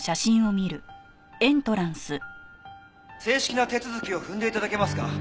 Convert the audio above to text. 正式な手続きを踏んで頂けますか？